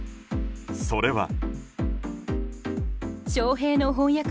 それは。